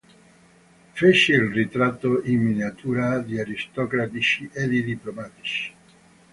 Fece il ritratto in miniatura di aristocratici e di diplomatici.